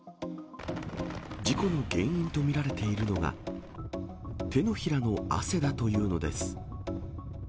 事故の原因と見られているのが、手のひらの汗だというのです。